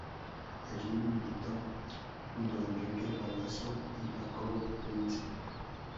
Allí militó junto a Enrique Palazzo y Jacobo Prince.